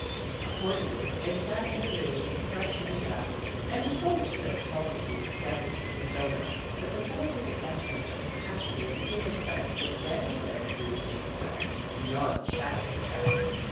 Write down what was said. Accordingly they sat in a ring in the fresh young grass, and dis posed of such quantities of sandwiches and doughnuts that the scientific estimate of the capacity of the human stomach was then and there proved incorrect, beyond a shadow of a doubt.